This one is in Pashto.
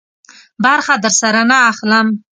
برخه درسره نه اخلم.